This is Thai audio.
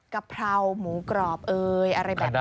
กะเพราหมูกรอบเอ่ยอะไรแบบนี้